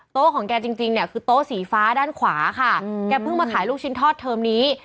ของแกจริงเนี่ยคือโต๊ะสีฟ้าด้านขวาค่ะแกเพิ่งมาขายลูกชิ้นทอดเทอมนี้